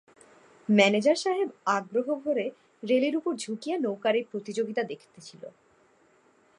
Manager সাহেব আগ্রহভরে রেলের উপর ঝুঁকিয়া নৌকার এই প্রতিযোগিতা দেখিতেছিল।